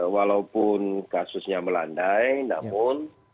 walaupun kasusnya melandai namun